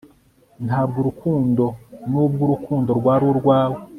Ntabwo Urukundo nubwo Urukundo rwari urwawe